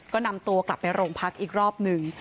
ก็นำตัวกลับไปโรงพักอีกรอบหนึ่ง